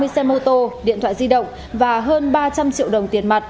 hai mươi xe mô tô điện thoại di động và hơn ba trăm linh triệu đồng tiền mặt